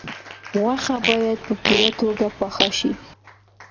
غوښه باید په پوره توګه پاخه شي.